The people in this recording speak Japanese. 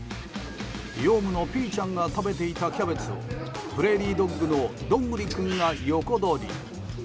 ヨウムのぴーちゃんが食べていたキャベツをプレーリードッグのドングリ君が横取り。